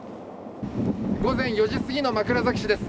午前４時すぎの枕崎市です。